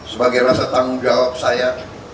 sebagai rasa tanggung jawab saya